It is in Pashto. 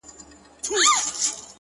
o د گل خندا،